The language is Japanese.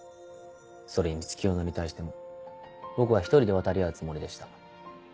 それに月夜野に対しても僕は一人で渡り合うつもりでした。